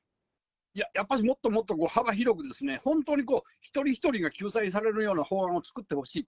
やっぱしもっともっと幅広くですね、本当に一人一人が救済されるような法案を作ってほしいと。